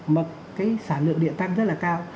mà cái sản lượng điện tăng rất là cao